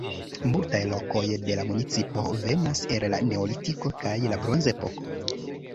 Multaj lokoj de la municipo venas el la Neolitiko kaj la Bronzepoko.